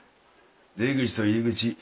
出口と入り口